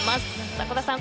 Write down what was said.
迫田さん